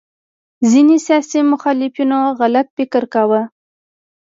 ځینې سیاسي مخالفینو غلط فکر کاوه